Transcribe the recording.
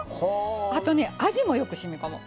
あとね味もよくしみこむ。